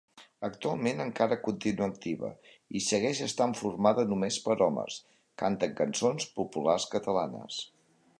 Actualment encara continua activa, i segueix estant formada només per homes, canten cançons populars catalanes.